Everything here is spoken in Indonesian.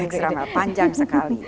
extra mile panjang sekali